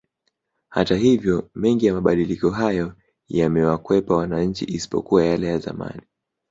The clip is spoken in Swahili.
Hata hivyo mengi ya mabadiliko hayo yamewakwepa wananchi isipokuwa yale ya zamani